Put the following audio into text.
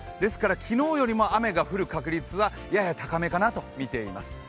昨日よりも雨が降る確率はやや高めかなとみています。